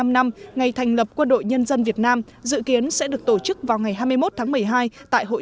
bảy mươi năm năm ngày thành lập quân đội nhân dân việt nam dự kiến sẽ được tổ chức vào ngày hai mươi một tháng một mươi hai tại hội